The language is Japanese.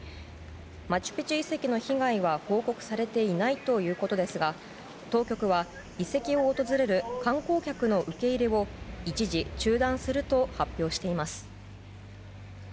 マチュピチュ遺跡の被害は報告されていないということですが当局は、遺跡を訪れる観光客の受け入れを一時中断すると発表しています。